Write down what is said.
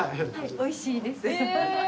おいしいです。